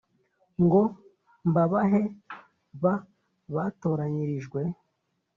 ngo mbabahe b batoranyirijwe